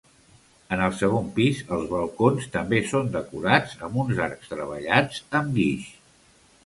En el segon pis els balcons també són decorats amb uns arcs treballats amb guix.